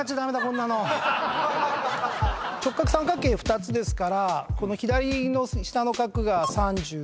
直角三角形２つですからこの左の下の角が３０で。